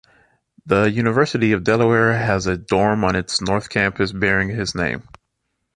The University of Delaware has a dorm on its North Campus bearing his name.